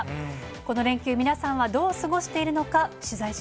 この連休、皆さんはどう過ごしているのか。